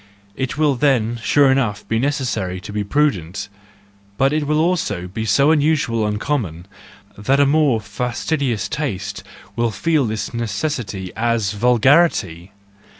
It will then, sure enough, be necessary to be prudent, but it will also be so usual and common, that a more fastidious taste will feel this necessity as vulgarity